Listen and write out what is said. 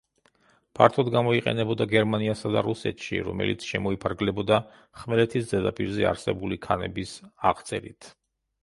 ფართოდ გამოიყენებოდა გერმანიასა და რუსეთში, რომელიც შემოიფარგლებოდა ხმელეთის ზედაპირზე არსებული ქანების აღწერით.